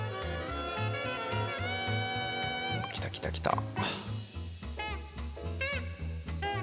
きたきたきた。